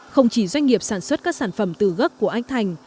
không chỉ doanh nghiệp sản xuất các sản phẩm từ gốc của anh thành